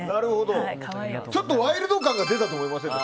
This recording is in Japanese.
ちょっとワイルド感が出たと思いませんか。